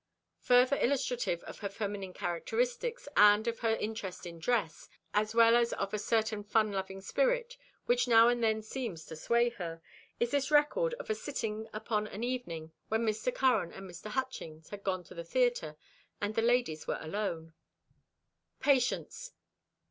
Further illustrative of her feminine characteristics and of her interest in dress, as well as of a certain fun loving spirit which now and then seems to sway her, is this record of a sitting upon an evening when Mr. Curran and Mr. Hutchings had gone to the theater, and the ladies were alone: _Patience.